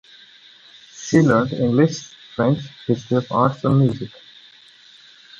She learnt English, French, history of arts and music.